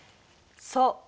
そう。